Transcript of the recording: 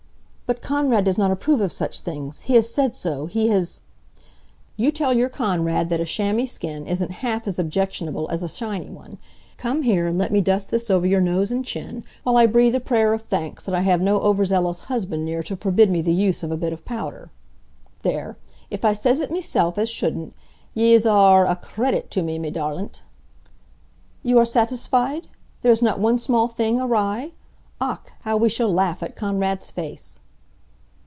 "But Konrad does not approve of such things. He has said so. He has " "You tell your Konrad that a chamois skin isn't half as objectionable as a shiny one. Come here and let me dust this over your nose and chin, while I breathe a prayer of thanks that I have no overzealous husband near to forbid me the use of a bit of powder. There! If I sez it mesilf as shouldn't, yez ar r re a credit t' me, me darlint." "You are satisfied. There is not one small thing awry? Ach, how we shall laugh at Konrad's face."